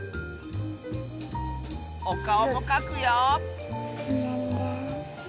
おかおもかくよ！